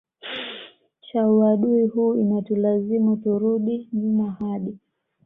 cha uadui huu inatulazimu turudi nyuma hadi